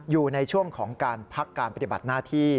อยู่ในช่วงของการพักการปฏิบัติหน้าที่